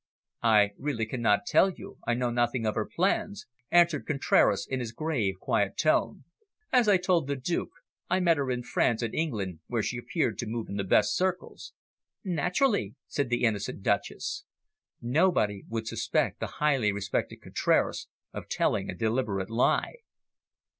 "I really cannot tell you. I know nothing of her plans," answered Contraras in his grave, quiet tones. "As I told the Duke, I met her in France and England, where she appeared to move in the best circles." "Naturally," said the innocent Duchess. Nobody would suspect the highly respected Contraras of telling a deliberate lie.